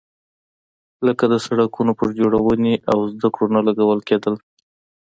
لکه د سړکونو پر جوړونې او زده کړو نه لګول کېدل.